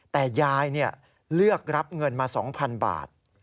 แต่ยายเลือกรับเงินมา๒๐๐๐บาท